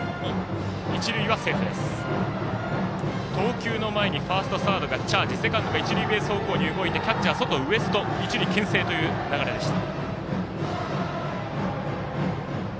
投球の前にファースト、サードがチャージ、セカンドが一塁ベース方向に動いてキャッチャー、ウエスト一塁けん制という流れでした。